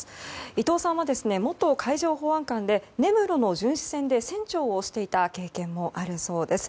伊藤さんは元海上保安官で根室の巡視船で船長をしていた経験もあるそうです。